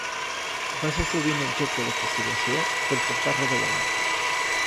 Va ser sovint objecte de fustigació per portar roba d'home.